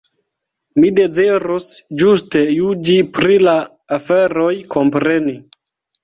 Mi dezirus ĝuste juĝi pri la aferoj, kompreni.